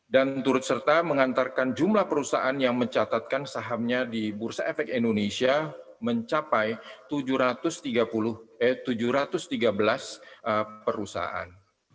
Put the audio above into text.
dan turut serta mengantarkan jumlah perusahaan yang mencatatkan sahamnya di bursa efek indonesia mencapai tujuh ratus tiga belas perusahaan